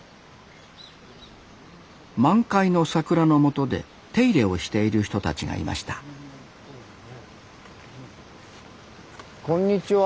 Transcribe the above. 満開の桜のもとで手入れをしている人たちがいましたこんにちは。